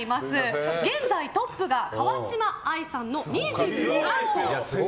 現在トップが川嶋あいさんの２３個。